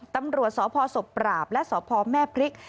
ตำรวจสพศพปราบและสพแม่พริก